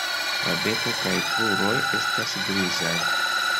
La beko kaj kruroj estas grizaj.